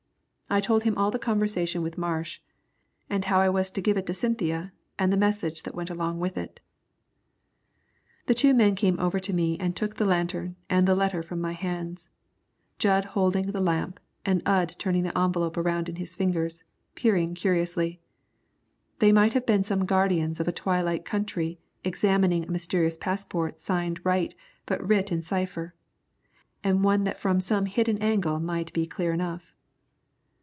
I told him all the conversation with Marsh, and how I was to give it to Cynthia and the message that went along with it. The two men came over to me and took the lantern and the letter from my hands, Jud holding the light and Ump turning the envelope around in his fingers, peering curiously. They might have been some guardians of a twilight country examining a mysterious passport signed right but writ in cipher, and one that from some hidden angle might be clear enough.